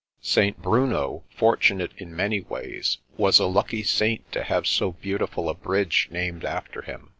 St. Bruno, fortunate in many ways, was a lucky saint to have so beautiful a bridge named after him.